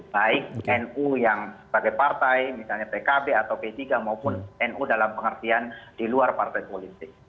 baik nu yang sebagai partai misalnya pkb atau p tiga maupun nu dalam pengertian di luar partai politik